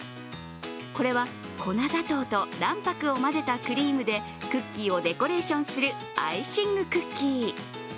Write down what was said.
これは粉砂糖と卵白を混ぜたクリームでクッキーをデコレーションするアイシングクッキー。